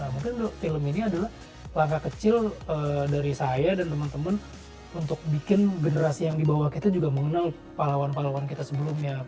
mungkin film ini adalah langkah kecil dari saya dan teman teman untuk bikin generasi yang di bawah kita juga mengenal pahlawan pahlawan kita sebelumnya